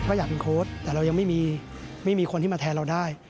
ก็อยากเป็นโค้ดแต่เรายังไม่มีคนที่มาแทนเราได้